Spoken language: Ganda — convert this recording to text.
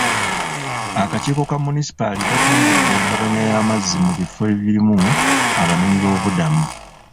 Akakiiko ka munisipaali katumbudde engabanya y'amazzi mu bifo ebirimu abanoonyiboobubudamu.